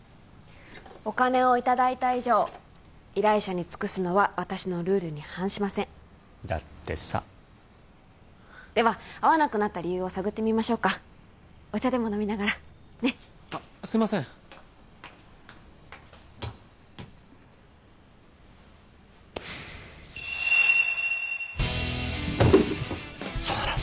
お金をいただいた以上依頼者に尽くすのは私のルールに反しませんだってさでは会わなくなった理由を探ってみましょうかお茶でも飲みながらねっあっすいませんそうなの？